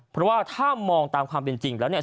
เพราะว่าถ้ามองตามความเป็นจริงแล้วเนี่ย